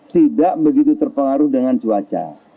tidak begitu terpengaruh dengan cuaca